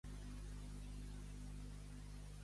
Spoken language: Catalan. Déu va fer el camp; l'home, la ciutat.